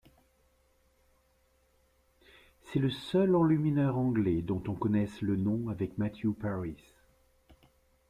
C'est le seul enlumineur anglais du dont on connaisse le nom avec Matthew Paris.